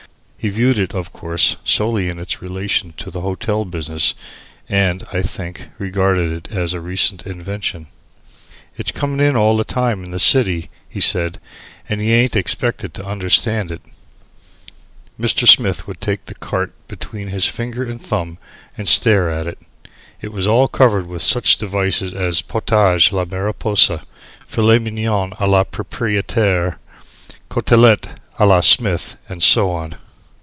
He viewed it, of course, solely in its relation to the hotel business, and, I think, regarded it as a recent invention. "It's comin' in all the time in the city," he said, "and y'aint expected to understand it." Mr. Smith would take the carte between his finger and thumb and stare at it. It was all covered with such devices as Potage la Mariposa Filet Mignon a la proprietaire Cotellete a la Smith, and so on.